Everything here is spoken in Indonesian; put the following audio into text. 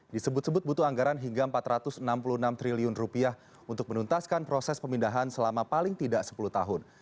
disebut sebut butuh anggaran hingga rp empat ratus enam puluh enam triliun untuk menuntaskan proses pemindahan selama paling tidak sepuluh tahun